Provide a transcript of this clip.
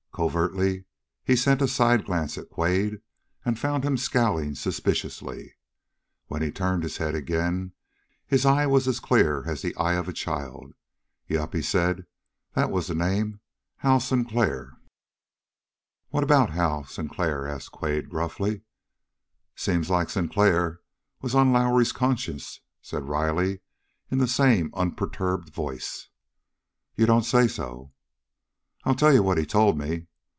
Covertly he sent a side glance at Quade and found him scowling suspiciously. When he turned his head again, his eye was as clear as the eye of a child. "Yep," he said, "that was the name Hal Sinclair." "What about Hal Sinclair?" asked Quade gruffly. "Seems like Sinclair was on Lowrie's conscience," said Riley in the same unperturbed voice. "You don't say so!" "I'll tell you what he told me.